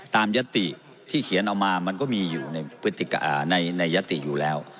ตามยศติที่เขียนเอามามันก็มีอยู่ในพฤติกรรมอ่าในในยศติอยู่แล้ว